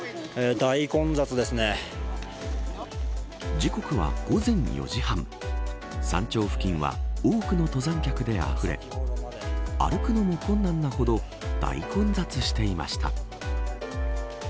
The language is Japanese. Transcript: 時刻は午前４時半山頂付近は多くの登山客であふれ歩くのも困難なほど大混雑していました。